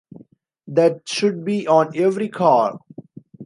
That should be on every car!